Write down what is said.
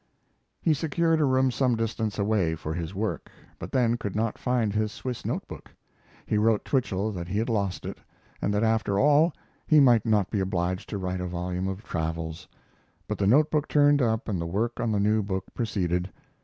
He secured a room some distance away for his work, but then could not find his Swiss note book. He wrote Twichell that he had lost it, and that after all he might not be obliged to write a volume of travels. But the notebook turned up and the work on the new book proceeded.